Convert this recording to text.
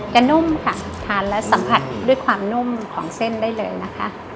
นุ่มค่ะทานและสัมผัสด้วยความนุ่มของเส้นได้เลยนะคะ